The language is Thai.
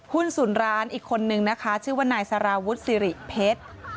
ศูนย์ร้านอีกคนนึงนะคะชื่อว่านายสารวุฒิสิริเพชร